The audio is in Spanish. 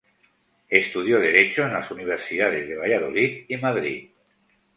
Estudió Derecho en las universidades de Valladolid y Madrid.